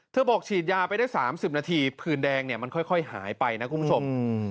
บอกฉีดยาไปได้๓๐นาทีผื่นแดงเนี่ยมันค่อยหายไปนะคุณผู้ชม